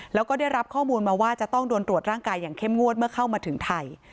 แล้วก็ได้รับข้อมูลมาว่าจะต้องโดนตรวจร่างกายอย่างเข้มงวดเมื่อเข้ามาถึงไทย